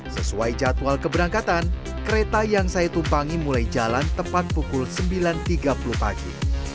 sesuai jadwal keberangkatan kereta yang saya tumpangi mulai jalan tepat pukul sembilan tiga puluh pagi